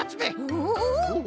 おお。